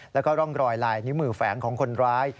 แล้วก็ร่องรอยลายนิ้วมือแฝงของคนร้าย